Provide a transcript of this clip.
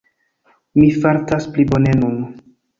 Mi fartas pli bone nun.